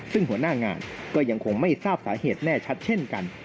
ซึ่งหัวหน้างานก็ยังคงไม่ทราบสาเหตุแน่ชัดเช่นกัน